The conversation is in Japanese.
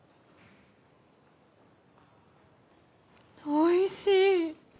おいしい！